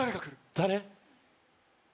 誰？